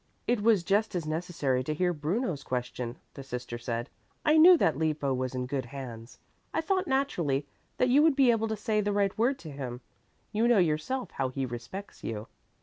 "It was just as necessary to hear Bruno's question," the sister said. "I knew that Lippo was in good hands. I thought naturally that you would be able to say the right word to him. You know yourself how he respects you."